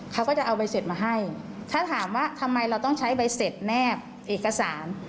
เขาก็จะเอาใบเสร็จมาให้ถ้าถามว่าทำไมเราต้องใช้ใบเสร็จแนบเอกสาร